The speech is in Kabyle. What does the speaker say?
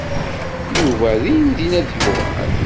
Yuba dindin ad d-yuɣal.